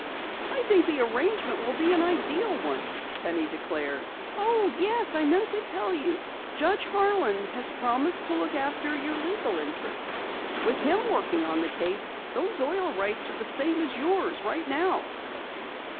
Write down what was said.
"I think the arrangement will be an ideal one," Penny declared. "Oh, yes, I meant to tell you. Judge Harlan has promised to look after your legal interests. With him working on the case those oil rights are the same as yours right now!"